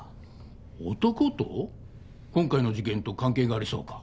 今回の事件と関係がありそうか？